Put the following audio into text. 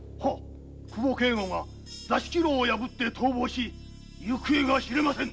久保圭吾が座敷牢を逃亡し行方が知れません。